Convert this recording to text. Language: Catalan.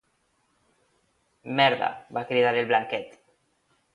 Merda —va cridar el Blanquet—.